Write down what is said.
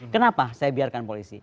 kenapa saya biarkan polisi